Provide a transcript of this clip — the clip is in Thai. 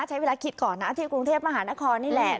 ใช้เวลาคิดก่อนนะที่กรุงเทพมหานครนี่แหละ